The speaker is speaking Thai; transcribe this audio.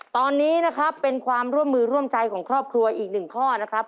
ตอนนี้นะครับเป็นความร่วมมือร่วมใจของครอบครัวอีกหนึ่งข้อนะครับ